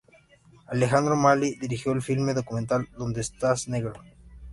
Alejandro Maly dirigió el filme documental "¿Dónde estás, Negro?